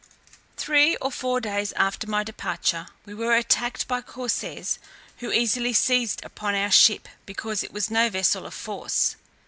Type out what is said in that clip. Three or four days after my departure, we were attacked by corsairs, who easily seized upon our ship, because it was no vessel of force.